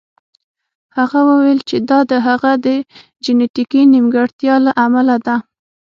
هغه وویل چې دا د هغه د جینیتیکي نیمګړتیا له امله ده